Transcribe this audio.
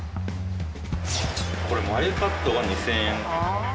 これ眉カットが２，０００円。